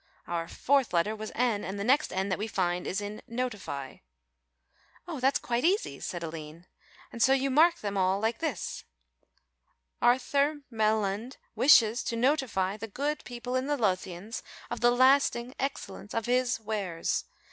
Our fourth letter was N and the next N that we find is in 'notifie.'" "Oh, that's quite easy," said Aline, "and so you mark them all like this "_A_rthur Me_l_land w_i_shes to _n_otifi_e_ the _g_ood people _i_n the _L_othians of the _l_asting _e_xcellence of hi_s_ wares.